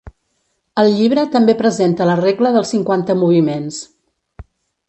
El llibre també presenta la regla dels cinquanta moviments.